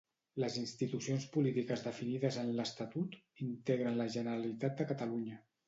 Les institucions polítiques definides en l'Estatut integren la Generalitat de Catalunya.